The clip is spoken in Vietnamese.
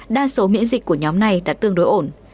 đa số miễn dịch của nhóm này đã tương đối ổn